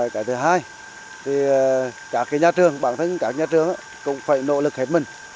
cái thứ hai thì các nhà trường bản thân các nhà trường cũng phải nỗ lực hết mình